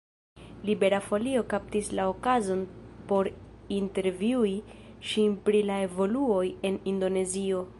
Libera Folio kaptis la okazon por intervjui ŝin pri la evoluoj en Indonezio.